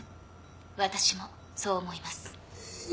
私もそう思います。